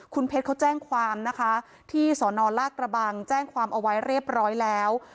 คุณเพชรเขาแจ้งความนะคะที่สนลากระบังแจ้งความเอาไว้เรียบร้อยแล้ว